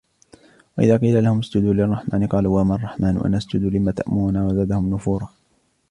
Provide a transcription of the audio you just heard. وإذا قيل لهم اسجدوا للرحمن قالوا وما الرحمن أنسجد لما تأمرنا وزادهم نفورا